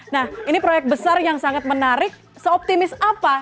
nah ini proyek besar yang sangat menarik seoptimis apa